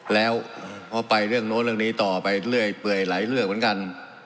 แล้วเพราะไปเรื่องโน้นเรื่องนี้ต่อไปเรื่อยเปื่อยหลายเรื่องเหมือนกัน